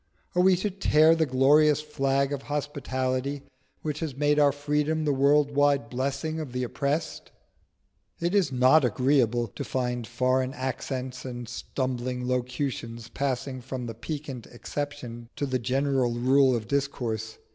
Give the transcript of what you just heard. Are we to tear the glorious flag of hospitality which has made our freedom the world wide blessing of the oppressed? It is not agreeable to find foreign accents and stumbling locutions passing from the piquant exception to the general rule of discourse.